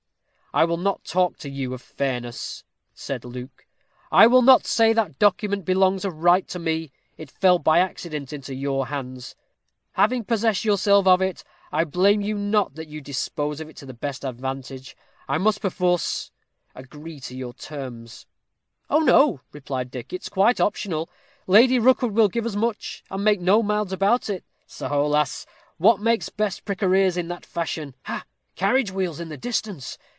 "I will not talk to you of fairness," said Luke; "I will not say that document belongs of right to me. It fell by accident into your hands. Having possessed yourself of it, I blame you not that you dispose of it to the best advantage. I must, perforce, agree to your terms." "Oh, no," replied Dick, "it's quite optional; Lady Rookwood will give as much, and make no mouths about it. Soho, lass! What makes Bess prick her ears in that fashion? Ha! carriage wheels in the distance!